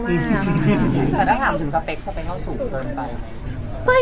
แต่ถ้าถามถึงสเปคเข้าสูงเกินไป